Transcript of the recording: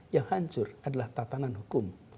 yang hancur adalah tatanan hukum